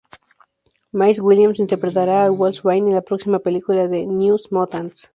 Maisie Williams interpretará a Wolfsbane en la próxima película "The New Mutants".